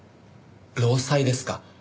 労災ですか？